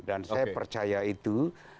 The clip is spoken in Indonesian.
dan saya percaya itu